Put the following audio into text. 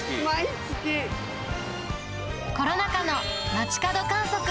コロナ禍の街角観測。